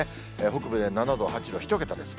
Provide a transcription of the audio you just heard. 北部で７度、８度、１桁です。